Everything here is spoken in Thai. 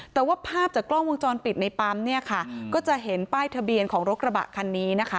แต่ว่าภาพจากกล้องวงจรปิดในปั๊มเนี่ยค่ะก็จะเห็นป้ายทะเบียนของรถกระบะคันนี้นะคะ